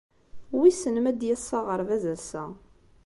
Wissen ma ad d-yas s aɣerbaz ass-a.